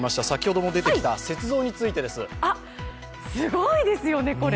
先ほども出てきた雪像についてです。